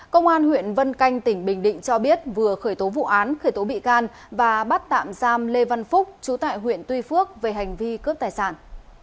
công an huyện vân canh tỉnh bình định cho biết vừa khởi tố vụ án khởi tố bị can và bắt tạm giam lê văn phúc chú tại huyện tuy phước về hành vi cướp tài sản